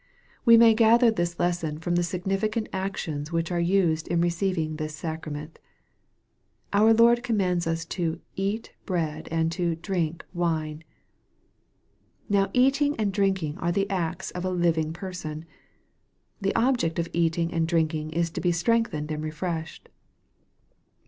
We may gather this lesson from the significant actions which are used in receiving this sacrament. Our Lord commands us to " eat" bread and to " drink" wine. Now eating and drinking are the acts of a living person. The object of eating and drinking is to be strengthened and refreshed.